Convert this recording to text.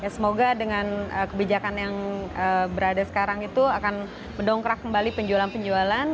semoga dengan kebijakan yang berada sekarang itu akan mendongkrak kembali penjualan penjualan